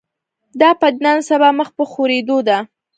دا پدیده نن سبا مخ په خورېدو ده